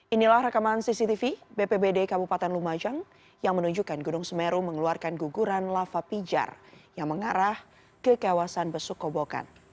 inilah rekaman cctv bpbd kabupaten lumajang yang menunjukkan gunung semeru mengeluarkan guguran lava pijar yang mengarah ke kawasan besukobokan